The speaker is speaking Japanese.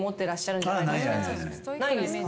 ないんですか？